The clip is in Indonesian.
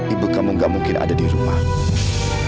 ibu kamu nggak mungkin ada di sini